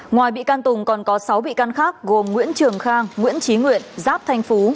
ngoài bị can tùng còn có sáu bị can khác gồm nguyễn trường khang nguyễn trí nguyện giáp thanh phú